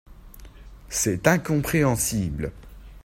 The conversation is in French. C’est incompréhensible.